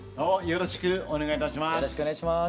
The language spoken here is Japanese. よろしくお願いします。